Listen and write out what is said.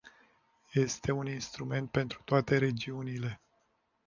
Este un instrument pentru toate regiunile.